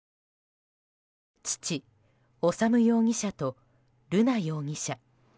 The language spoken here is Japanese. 父・修容疑者と瑠奈容疑者。